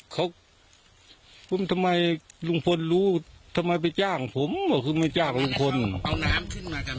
ครับผมทำไมลุงพนธ์รู้ทำไมไปจ้างผมเพราะคือไม่จ้างลุงพนธ์